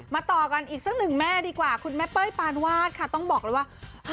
ต่อกันอีกสักหนึ่งแม่ดีกว่าคุณแม่เป้ยปานวาดค่ะต้องบอกเลยว่า